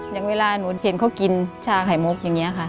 อย่างเวลาหนูเห็นเขากินชาไข่มุกอย่างนี้ค่ะ